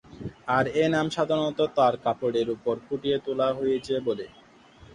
আর এই নাম সাধারণত তার কাপড়ের উপর ফুটিয়ে তুলা হয়েছে বলে।